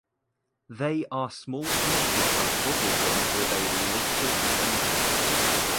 They are small pieces of bubble gum with a liquid center.